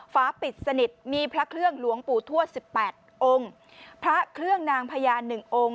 ฟ้าปิดสนิทมีพระเครื่องหลวงปู่ทั่ว๑๘องค์พระเครื่องนางพญาน๑องค์